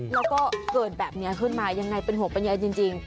แล้วก็เกิดแบบนี้ขึ้นมายังไงเป็นห่วงเป็นใยจริง